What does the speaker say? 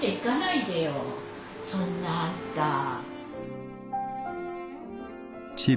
そんなあんた。